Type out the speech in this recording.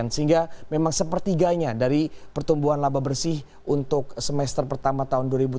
sehingga memang sepertiganya dari pertumbuhan laba bersih untuk semester pertama tahun dua ribu tujuh belas